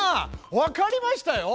わかりましたよ。